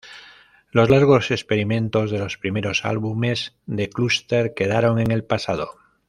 Los largos experimentos de los primeros álbumes de Cluster quedaron en el pasado".